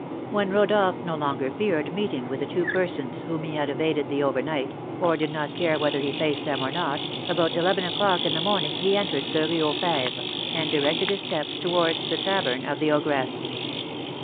Whether Rodolph no longer feared meeting with the two persons whom he had evaded the over night, or did not care whether he faced them or not, about eleven o'clock in the morning he entered the Rue aux Fêves, and directed his steps towards the tavern of the ogress.